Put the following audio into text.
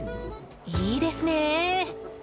いいですね。